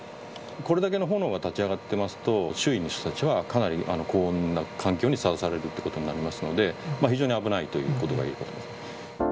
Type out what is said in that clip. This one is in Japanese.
これだけの炎が立ち上がってますと、周囲の人たちはかなり高温な環境にさらされるってことになりますので、非常に危ないということがいえるかと。